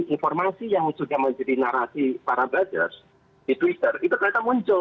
informasi yang sudah menjadi narasi para buzzer di twitter itu ternyata muncul